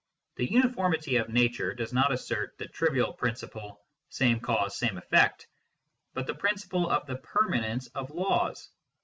The uniformity of nature does not assert the trivial principle " same cause, same effect," but the principle of the permanence of laws.